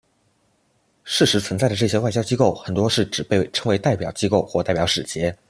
事实存在的这些外交机构很多是只被称为代表机构或代表使节。